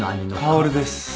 薫です。